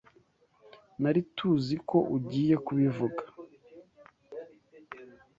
Nari TUZI ko ugiye kubivuga.